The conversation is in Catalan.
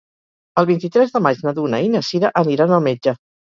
El vint-i-tres de maig na Duna i na Sira aniran al metge.